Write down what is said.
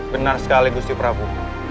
benar sekali gusti prabu